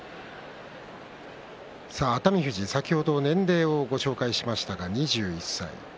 熱海富士、先ほど年齢をご紹介しましたが２１歳。